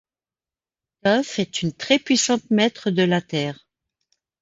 Toph est une très puissante maitre de la terre.